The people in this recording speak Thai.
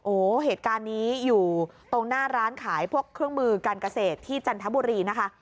โอ้โหเหตุการณ์นี้อยู่ตรงหน้าร้านขายพวกเครื่องมือการเกษตรที่จันทบุรีนะคะ